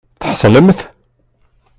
Tḥeṣlemt?